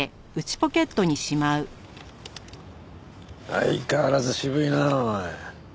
相変わらず渋いなあおい。